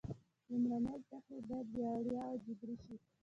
لومړنۍ زده کړې باید وړیا او جبري شي.